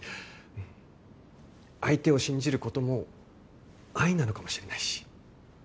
うん相手を信じることも愛なのかもしれないし。